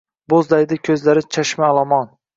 Boʻzlaydi koʻzlari chashma olomon.